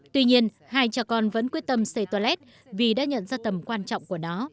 tuy nhiên hai cháu con vẫn quyết tâm sử dụng